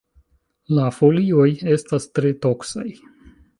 La folioj estas tre toksaj.